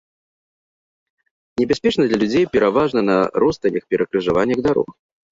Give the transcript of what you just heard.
Небяспечна для людзей, пераважна на ростанях, перакрыжаваннях дарог.